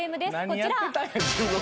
こちら。